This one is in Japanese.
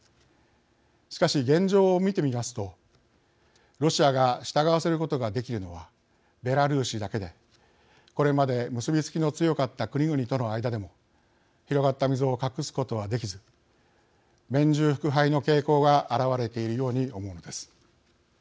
しかし、現状を見てみますとロシアが従わせることができるのはベラルーシだけでこれまで、結び付きの強かった国々との間でも広がった溝を隠すことはできず面従腹背の傾向が表れているように思うのです。